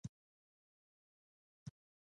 ځوانان، زده کوونکي او مدني فعالان کولای شي کمپاینونه.